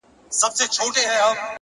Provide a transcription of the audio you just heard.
د عمل نیت د پایلې کیفیت ټاکي!